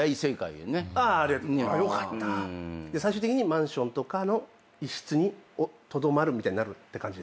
最終的にマンションとかの一室にとどまるみたいになるって感じですか？